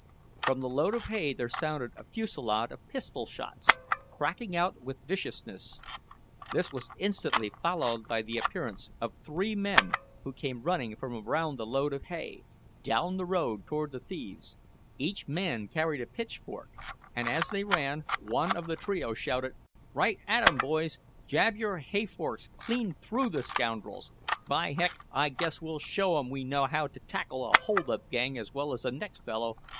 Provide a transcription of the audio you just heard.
From the load of hay there sounded a fusillade of pistol shots, cracking out with viciousness. This was instantly followed by the appearance of three men who came running from around the load of hay, down the road toward the thieves. Each man carried a pitchfork, and as they ran, one of the trio shouted: "Right at 'em, boys! Jab your hay forks clean through the scoundrels! By Heck, I guess we'll show 'em we know how t' tackle a hold up gang as well as the next fellow!